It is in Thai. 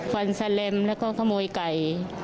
ฟันแลมแล้วก็ขโมยไก่